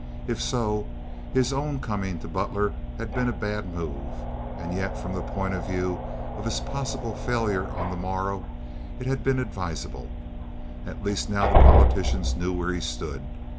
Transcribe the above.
If so, his own coming to Butler had been a bad move; and yet from the point of view of his possible failure on the morrow it had been advisable. At least now the politicians knew where he stood.